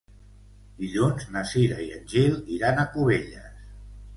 Dilluns na Cira i en Gil iran a Cubelles.